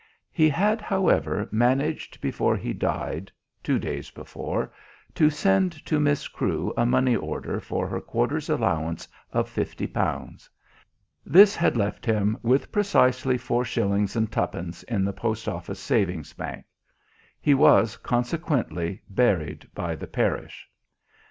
He had, however, managed, before he died (two days before), to send to Miss Crewe a money order for her quarter's allowance of fifty pounds. This had left him with precisely four shillings and twopence in the Post Office Savings Bank. He was, consequently, buried by the parish.